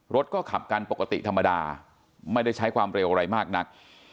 รถก็ขับกันปกติธรรมดาไม่ได้ใช้ความเร็วอะไรมากนัก